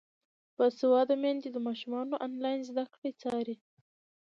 باسواده میندې د ماشومانو انلاین زده کړې څاري.